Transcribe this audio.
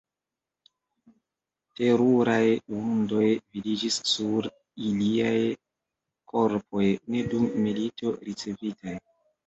Teruraj vundoj vidiĝis sur iliaj korpoj, ne dum milito ricevitaj.